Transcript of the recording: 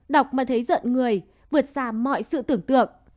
đọc mà thấy giận người vượt xa mọi sự tưởng tượng